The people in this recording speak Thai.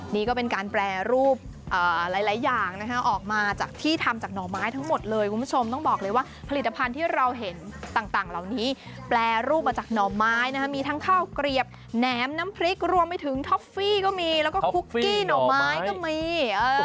นี่ก็เป็นการแปรรูปหลายอย่างนะคะออกมาจากที่ทำจากหน่อไม้ทั้งหมดเลยคุณผู้ชมต้องบอกเลยว่าผลิตภัณฑ์ที่เราเห็นต่างเหล่านี้แปรรูปมาจากหน่อไม้นะคะมีทั้งข้าวเกลียบแหนมน้ำพริกรวมไปถึงท็อฟฟี่ก็มีแล้วก็คุกกี้หน่อไม้ก็มี